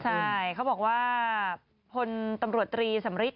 ใช่เขาบอกว่าพลตำรวจตรีสำริท